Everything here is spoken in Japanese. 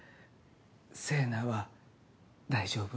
星名は大丈夫？